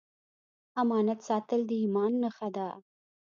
امانت ساتل د ایمان نښه ده.